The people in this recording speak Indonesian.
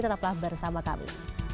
tetaplah bersama kami